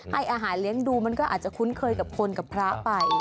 ให้อาหารเลี้ยงดูมันก็อาจจะคุ้นเคยกับคนกับพระไป